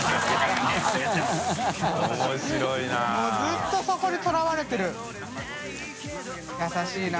もうずっとそこにとらわれてる優しいな。